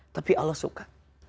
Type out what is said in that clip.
tapi allah suka